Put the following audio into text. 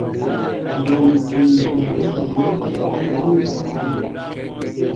Ngɔ ni Sumedyaŋ bɔ́ baŋí , ó bíy á aláá ŋgum.